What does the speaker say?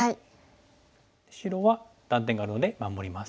白は断点があるので守ります。